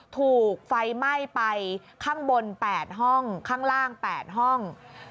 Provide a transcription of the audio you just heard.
ถูกไฟไหม้ไปข้างบน๘ห้องข้างล่าง๘ห้อง